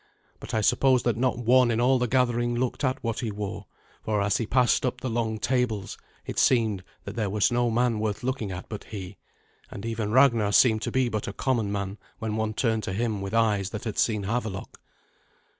But I suppose that not one in all the gathering looked at what he wore; for as he passed up the long tables, it seemed that there was no man worth looking at but he, and even Ragnar seemed to be but a common man when one turned to him with eyes that had seen Havelok.